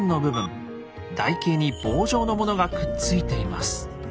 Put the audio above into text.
台形に棒状のものがくっついています。